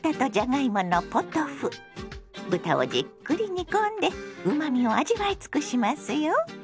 豚をじっくり煮込んでうまみを味わい尽くしますよ。